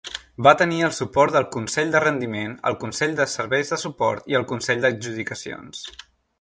Va tenir el suport del consell de rendiment, el consell de serveis de suport i el consell d'adjudicacions.